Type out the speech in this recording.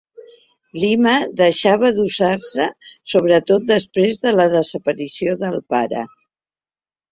Lima” deixava d'usar-se, sobretot després de la desaparició del pare.